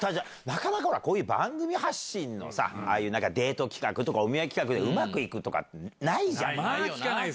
なかなか、こういう番組発信のさ、ああいうなんか、デート企画とかって、お見合い企画でうまくいくとかってないじゃない。